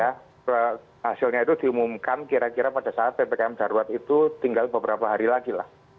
hasilnya itu diumumkan kira kira pada saat ppkm darurat itu tinggal beberapa hari lagi lah